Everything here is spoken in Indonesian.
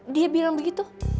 dia bilang begitu